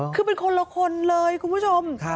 คือเป็นคนละคนเลยคุณผู้ชม